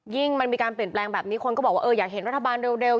มันมีการเปลี่ยนแปลงแบบนี้คนก็บอกว่าเอออยากเห็นรัฐบาลเร็ว